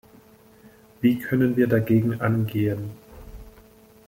Wie können wir dagegen angehen?